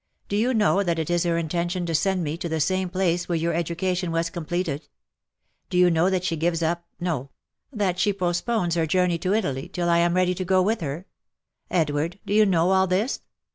Do you know that it is her intention to send me to the same place where your education was completed ?— Do you know that she gives up — no — that she postpones her journey to Italy, till I am ready to go with her ?— Edward, do you know all this